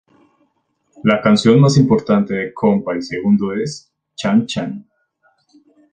La canción más importante de Compay Segundo es "Chan Chan"